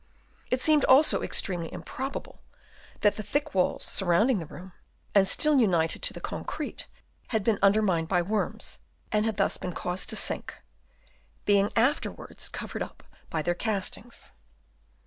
It seemed also extremely improbable that the thick walls, surrounding the room and still united to the concrete, had been undermined by worms, and had thus been caused to sink, being afterwards covered up by their cast ings.